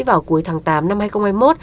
vào cuối tháng tám năm hai nghìn hai mươi một